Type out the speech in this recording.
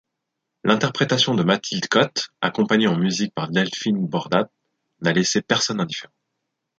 L'interprétation de Mathilde Kott, accompagnée en musique par Delphine Bordat, n'a laissée personne indifférent.